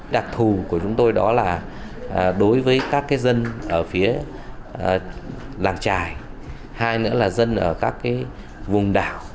đặc thù của chúng tôi đó là đối với các dân ở phía làng trải hai nữa là dân ở các vùng đảo